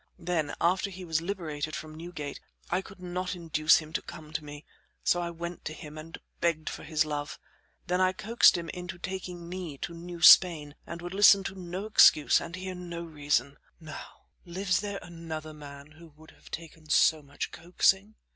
Then, after he was liberated from Newgate, I could not induce him to come to me, so I went to him and begged for his love. Then I coaxed him into taking me to New Spain, and would listen to no excuse and hear no reason. Now lives there another man who would have taken so much coaxing?"